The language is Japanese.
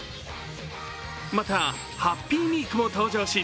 またハッピーミークも登場し